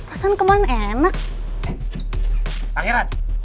oh iya bentar